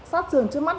sát trường trước mắt